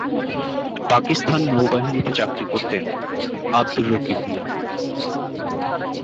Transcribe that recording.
পাকিস্তান নৌবাহিনীতে চাকরি করতেন আবদুর রকিব মিয়া।